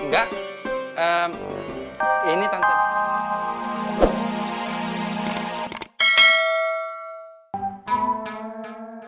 gak ini tantan